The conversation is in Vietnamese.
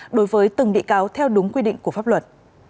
đối với từng bị cáo theo đúng quy định của pháp luật